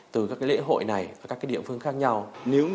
từ các cái lễ hội này và các cái điểm phương khác nhau